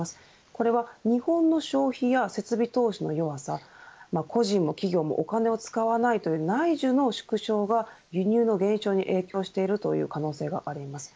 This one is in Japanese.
これは日本の消費や設備投資の弱さ個人も企業も、お金を使わないという内需の縮小が輸入の減少に影響しているという可能性があります。